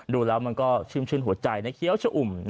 ดูแล้วมันก็ชื่นหัวใจเคี้ยวชะอุ่ม